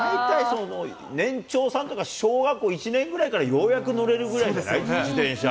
年長さんとか小学校１年ぐらいからようやく乗れるぐらいですよね、自転車。